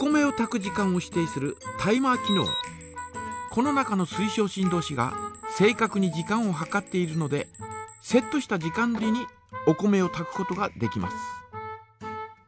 この中の水晶振動子が正かくに時間を計っているのでセットした時間どおりにお米をたくことができます。